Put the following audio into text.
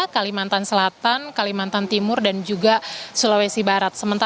kalimantan selatan kalimantan timur dan juga sulawesi barat